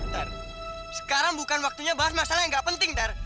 ntar sekarang bukan waktunya bahas masalah yang gak penting ntar